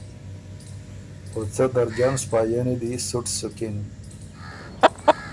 او څه درجن سپائنی دی سُټ سُکِن